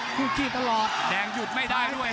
คู่ขี้ตลอดแดงหยุดไม่ได้ด้วย